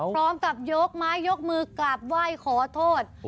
พร้อมกับยกไม้ยกมือกราบไหว้ขอโทษ